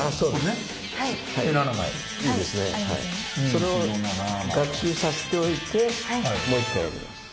それを学習させておいてもう一回やります。